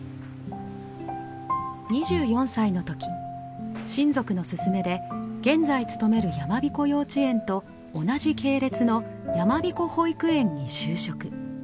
２４歳の時親族の勧めで現在勤める山彦幼稚園と同じ系列の山彦保育園に就職。